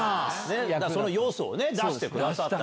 その要素を出してくださった。